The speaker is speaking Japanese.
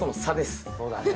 そうだね。